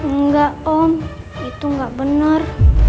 enggak om itu gak bener